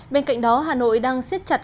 bên cạnh đó hà nội đang siết chặt